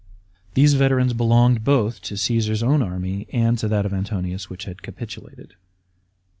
These veterans belonged both to Caasar's own army and to that oi Antonius which had capitulated.